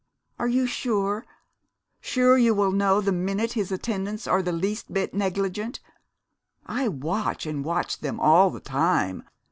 Are you sure sure you will know the minute his attendants are the least bit negligent? I watch and watch them all the time.